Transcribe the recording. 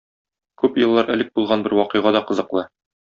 Күп еллар элек булган бер вакыйга да кызыклы.